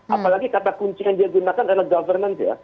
apalagi kata kunci yang dia gunakan adalah governance ya